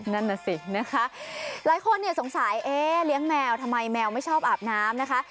นั่นน่ะสินะคะหลายคนเนี่ยสงสัยเอ๊เลี้ยงแมวทำไมแมวไม่ชอบอาบน้ำนะคะ